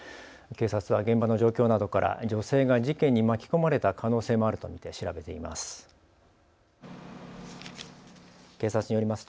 警察は現場の状況などから女性が事件に巻き込まれた可能性もあると見て調べています。